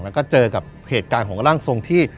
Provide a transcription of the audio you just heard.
แล้วก็เจอกับเหตุการณ์ของร่างทรงที่